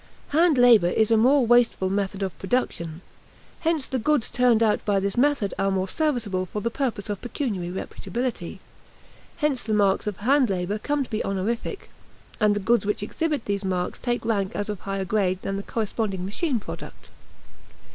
Hand labor is a more wasteful method of production; hence the goods turned out by this method are more serviceable for the purpose of pecuniary reputability; hence the marks of hand labor come to be honorific, and the goods which exhibit these marks take rank as of higher grade than the corresponding machine product.